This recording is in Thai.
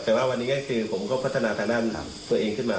แต่ว่าวันนี้ก็คือผมก็พัฒนาทางด้านตัวเองขึ้นมา